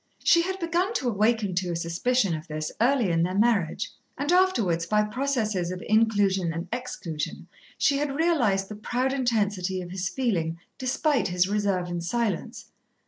She had begun to awaken to a suspicion of this early in their marriage, and afterwards by processes of inclusion and exclusion she had realised the proud intensity of his feeling despite his reserve and silence.